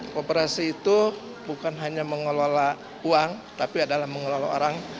kooperasi itu bukan hanya mengelola uang tapi adalah mengelola orang